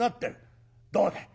どうだい？